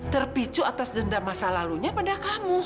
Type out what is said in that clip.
terpicu atas denda masa lalunya pada kamu